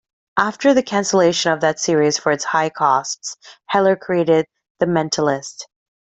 After the cancellation of that series for its high costs, Heller created "The Mentalist".